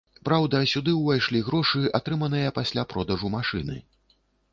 Праўда, сюды ўвайшлі грошы, атрыманыя пасля продажу машыны.